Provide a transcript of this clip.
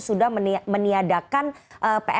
sudah meniadakan covid sembilan belas